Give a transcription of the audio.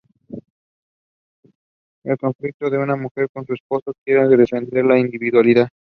El conflicto de una mujer con su esposo al querer defender su individualidad.